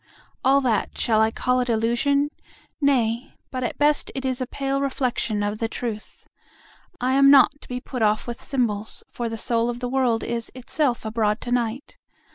All that—shall I call it illusion? Nay, but at best it is a pale reflection of the truth.I am not to be put off with symbols, for the soul of the world is itself abroad to night.